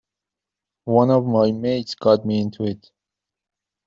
One of my mates got me into it.